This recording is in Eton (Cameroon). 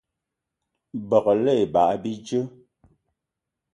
Begela ebag bíjé